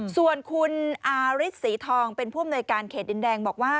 ส่วนคุณอาริสสีทองเป็นผู้อำนวยการเขตดินแดงบอกว่า